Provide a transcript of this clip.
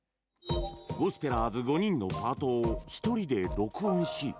ゴスペラーズ５人のパートを１人で録音し。